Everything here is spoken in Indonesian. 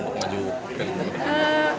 untuk maju ke